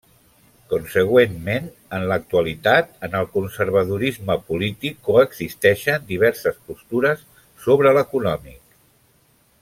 Consegüentment, en l'actualitat en el conservadorisme polític coexisteixen diverses postures sobre l'econòmic.